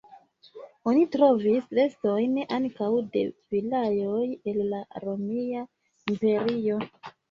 Oni trovis restojn ankaŭ de vilaoj el la Romia Imperio.